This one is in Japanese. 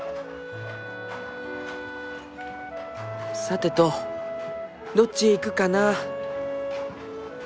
さてとどっちへ行くかな。